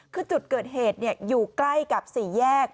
คือจุดเกิดเหตุอยู่ใกล้กับสี่แยก